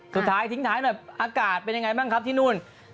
สุดท้ายทิ้งท้ายหน่อยอากาศเป็นยังไงบ้างครับที่นู่น